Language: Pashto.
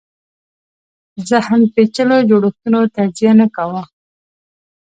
ذهن پېچلو جوړښتونو تجزیه نه کاوه